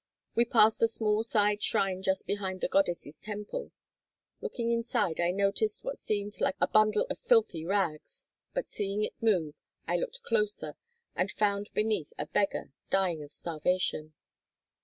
We passed a small side shrine just behind the goddess' temple. Looking inside I noticed what seemed like a bundle of filthy rags, but seeing it move, I looked closer and found beneath a beggar—dying of starvation.